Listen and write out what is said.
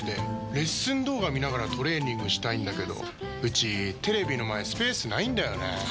レッスン動画見ながらトレーニングしたいんだけどうちテレビの前スペースないんだよねー。